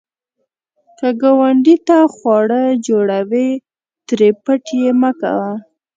که ګاونډي ته خواړه جوړوې، ترې پټ یې مه کوه